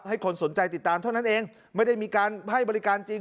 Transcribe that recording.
ให้คนสนใจติดตามเท่านั้นเองไม่ได้มีการให้บริการจริง